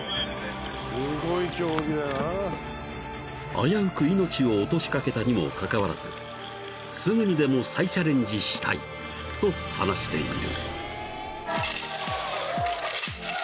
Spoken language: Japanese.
［危うく命を落としかけたにもかかわらずすぐにでも再チャレンジしたいと話している］